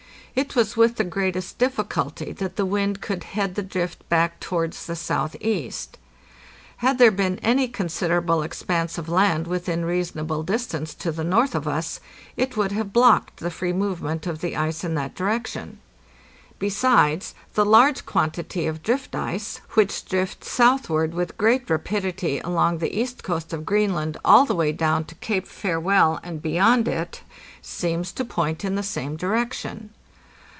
It was with the greatest difficulty that the wind could head the drift back towards the southeast. Had there been any considerable expanse of land within reasonable distance to the north of us, it would have blocked the free movement of the ice in that direction. Besides, the large quantity of drift ice, which drifts southward with great rapidity along the east coast of Greenland all the way down to Cape Farewell and beyond it, seems to point in the same direction.